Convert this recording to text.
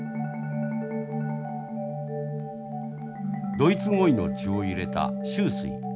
ドイツ鯉の血を入れた秋翠。